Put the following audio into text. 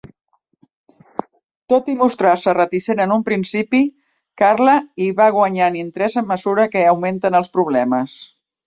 Tot i mostrar-se reticent en un principi, Carla hi va guanyant interès a mesura que augmenten els problemes.